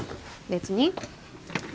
別に。